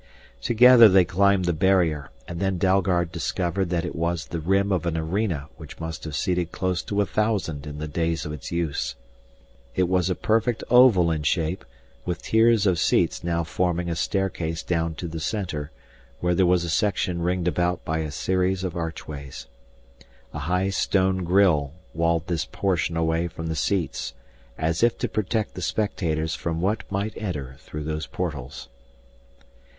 Together they climbed the barrier, and then Dalgard discovered that it was the rim of an arena which must have seated close to a thousand in the days of its use. It was a perfect oval in shape with tiers of seats now forming a staircase down to the center, where was a section ringed about by a series of archways. A high stone grille walled this portion away from the seats as if to protect the spectators from what might enter through those portals.